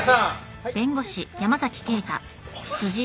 はい。